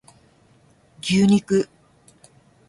牛肉